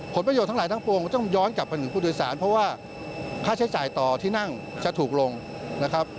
ผลประโยชน์ทั้งหลายทั้งปวงก็ต้องย้อนกลับไปถึงผู้โดยสารเพราะว่าค่าใช้จ่ายต่อที่นั่งจะถูกลงนะครับ